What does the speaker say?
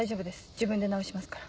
自分で直しますから。